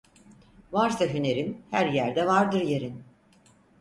Varsa hünerin, her yerde vardır yerin.